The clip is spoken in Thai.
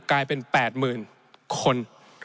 กลายเป็น๘หมื่นคน